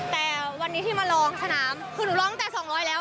แต่วันนี้ที่มาลองสนามคือหนูร้องตั้งแต่๒๐๐แล้ว